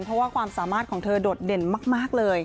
เพราะว่าความสามารถของเธอโดดเด่นมากเลย